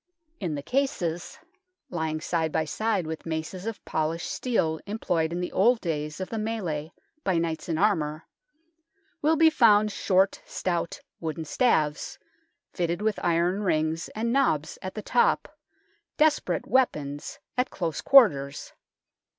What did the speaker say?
In the cases, lying side by side with maces of polished steel employed in the old days of the melee by knights in armour, will be found short, stout wooden staves, fitted with iron rings and knobs at the top desperate weapons at close quarters.